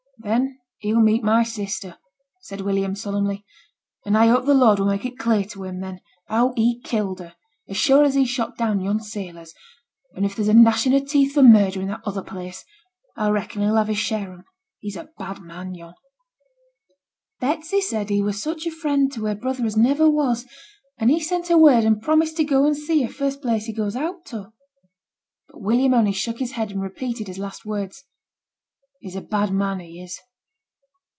'Then he'll meet my sister,' said William, solemnly; 'and I hope the Lord will make it clear to him, then, how he killed her, as sure as he shot down yon sailors; an' if there's a gnashing o' teeth for murder i' that other place, I reckon he'll have his share on't. He's a bad man yon.' 'Betsy said he were such a friend to her brother as niver was; and he's sent her word and promised to go and see her, first place he goes out to. But William only shook his head, and repeated his last words, 'He's a bad man, he is.'